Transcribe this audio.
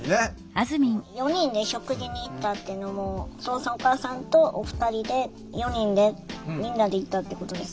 「４人で食事に行った」っていうのもお父さんお母さんとお二人で４人でみんなで行ったってことですか？